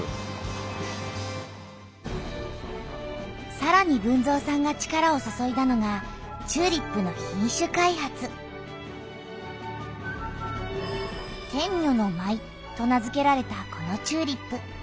さらに豊造さんが力を注いだのがチューリップの「天女の舞」と名づけられたこのチューリップ。